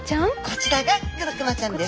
こちらがグルクマちゃんです。